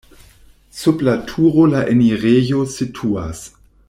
Sub la turo la enirejo situas.